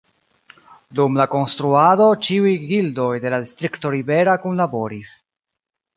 Dum la konstruado ĉiuj gildoj de la distrikto Ribera kunlaboris.